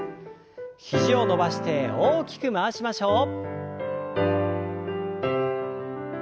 肘を伸ばして大きく回しましょう。